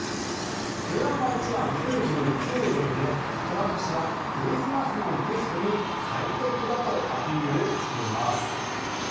値段は１枚９９ドルでトランプ氏はクリスマスのギフトに最適だとアピールしています。